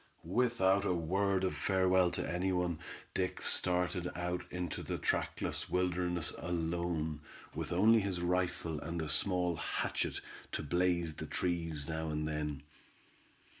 Without a word of farewell to any one, Dick started out into the trackless wilderness alone, with only his rifle and a small hatchet to blaze the trees now and then.